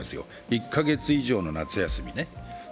１か月以上の夏休みね。